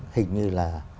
hình như là